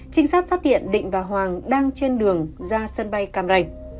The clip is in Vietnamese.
trinh sát phát hiện định và hoàng đang trên đường ra sân bay cam ranh